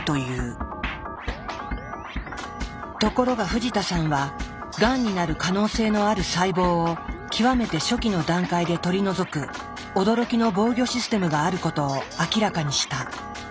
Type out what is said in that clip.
ところが藤田さんはがんになる可能性のある細胞を極めて初期の段階で取り除く驚きの防御システムがあることを明らかにした。